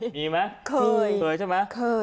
มีไหมเคยเคยใช่ไหมเคย